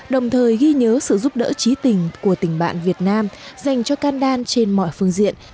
đồng thời ghi nhớ sự giúp đỡ trí tình của tỉnh bạn việt nam dành cho kandan trên mọi phương diện